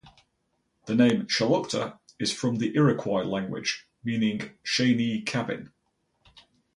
The name Shelocta is from the Iroquois language, meaning Shainee Cabin.